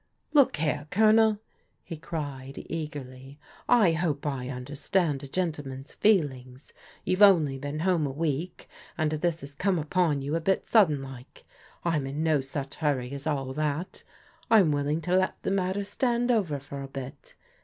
" Look here. Colonel," he cried eagerly, " I hope I un derstand a gentleman's feelings. You've only been home a week, and this has come upon you a bit sudden like. I'm in no such hurry as all that. I'm willing to let the matter stand over for a bit.